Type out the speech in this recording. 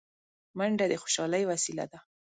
منډه د خوشحالۍ وسیله ده